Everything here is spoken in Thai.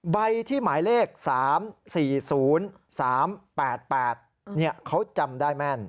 ใบที่หมายเลข๓๔๐๓๘๘เขาจำได้แม่น